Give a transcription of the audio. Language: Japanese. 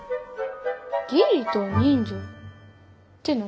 義理と人情って何？